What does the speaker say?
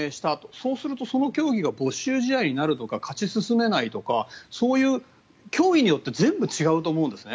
そうすると、その競技が没収試合にあるとか勝ち進めないとかそういう競技によって全部違うと思うんですね。